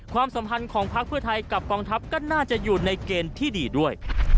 ความสัมพันธ์ของพักเพื่อไทยกับกองทัพก็น่าจะอยู่ในเกณฑ์ที่ดีด้วย